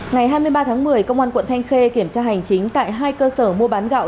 ngày hai mươi ba tháng một mươi công an quận thanh khê kiểm tra hành chính tại hai cơ sở mua bán gạo